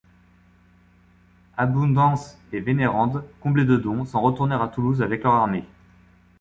Abundance et Vénérande, comblés de dons, s’en retournèrent à Toulouse avec leur armée.